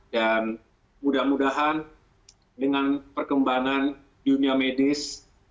dan mudah mudahan dengan perkembangan dunia medis